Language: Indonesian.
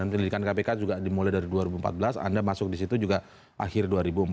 dan pendidikan kpk juga dimulai dari dua ribu empat belas anda masuk di situ juga akhir dua ribu empat belas